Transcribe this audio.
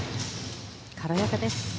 軽やかです。